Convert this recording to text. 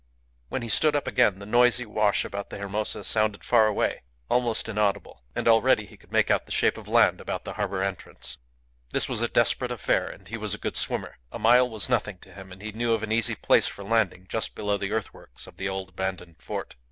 When he stood up again the noisy wash about the Hermosa sounded far away, almost inaudible; and already he could make out the shape of land about the harbour entrance. This was a desperate affair, and he was a good swimmer. A mile was nothing to him, and he knew of an easy place for landing just below the earthworks of the old abandoned fort.